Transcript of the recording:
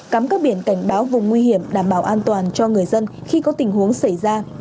cắm các biển cảnh báo vùng nguy hiểm đảm bảo an toàn cho người dân khi có tình huống xảy ra